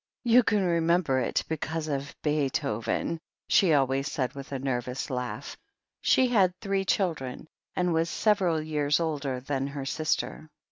'Tfou can remember it because of Beethoven," she always said, with a nervous laugh. She had three children, and was several years older than her sister.